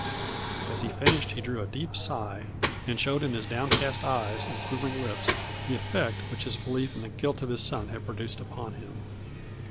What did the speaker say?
" As he finished he drew a deep sigh, and showed in his downcast eyes and quivering lips the effect which his belief in the guilt of his son had produced upon him.